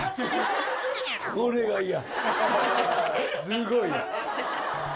すごい嫌。